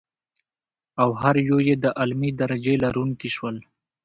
او هر یو یې د علمي درجې لرونکي شول.